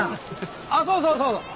あっそうそうそうそう。